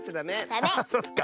ああそっか。